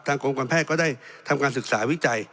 กรมการแพทย์ก็ได้ทำการศึกษาวิจัย